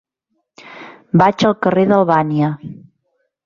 Vaig al carrer d'Albània.